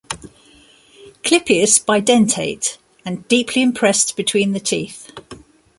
Clypeus bidentate and deeply impressed between the teeth.